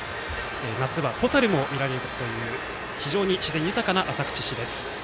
夏は、ホタルも見られるという非常に自然豊かな浅口市です。